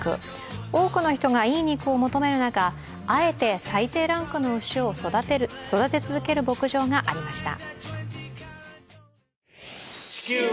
多くの人がいい肉を求める中、あえて最低ランクの牛を育て続ける牧場がありました。